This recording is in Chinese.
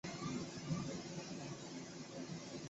东蛇山子乡是中国辽宁省沈阳市新民市下辖的一个乡。